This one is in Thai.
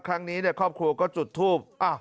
ครั้งนี้ครอบครัวก็จุดทูบ